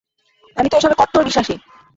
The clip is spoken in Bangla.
আমি তো এসবে কট্টোর বিশ্বাসী।